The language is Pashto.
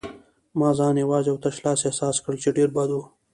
ما ځان یوازې او تش لاس احساس کړ، چې ډېر بد و.